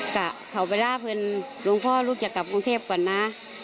เขาไปล่าเพลหลวงพ่อลูกจะกลับกรุงเทพก่อนนะ